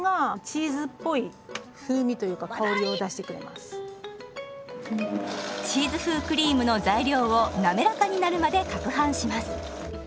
チーズ風クリームの材料をなめらかになるまでかくはんします。